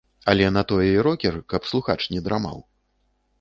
Але на тое і рокер, каб слухач не драмаў.